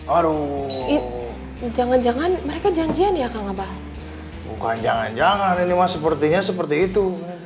aduh jangan jangan mereka janjian ya kang abah bukan jangan jangan ini mas sepertinya seperti itu